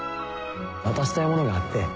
渡したいものがあって。